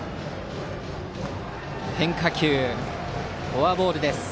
変化球、フォアボールです。